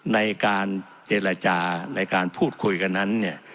ในการเจรจาในการพูดคุยกันนั้นเนี่ย